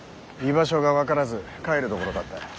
居場所が分からず帰るところだった。